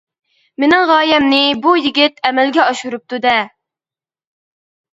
مېنىڭ غايەمنى بۇ يىگىت ئەمەلگە ئاشۇرۇپتۇ دە!